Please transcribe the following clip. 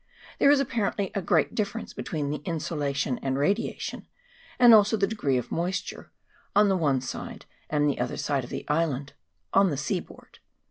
There is apparently a great difference between the insolation and radiation, and also the degree of moisture, on the one side and the other of the island, on the sea board.